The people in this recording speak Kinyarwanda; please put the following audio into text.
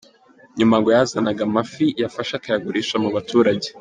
Nyuma ngo yazanaga amafi yafashe akayagurisha mu baturage.